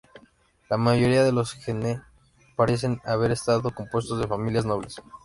La mayoría de los "gene" parecen haber estado compuestos de familias nobles.